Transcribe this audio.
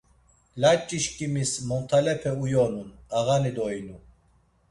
Layç̌işkimis montalepe uyonun, ağani doinu.